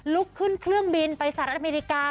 ลุกขึ้นเครื่องบินไปสหรัฐอเมริกา